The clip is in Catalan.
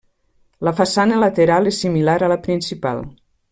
La façana lateral és similar a la principal.